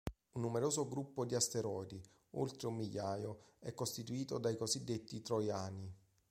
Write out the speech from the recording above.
Un numeroso gruppo di asteroidi, oltre un migliaio, è costituito dai cosiddetti troiani.